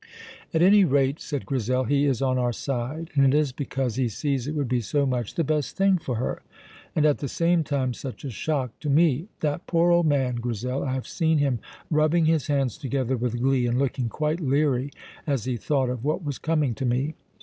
"At any rate," said Grizel, "he is on our side, and it is because he sees it would be so much the best thing for her." "And, at the same time, such a shock to me. That poor old man, Grizel! I have seen him rubbing his hands together with glee and looking quite leery as he thought of what was coming to me."